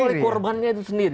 oleh korbannya itu sendiri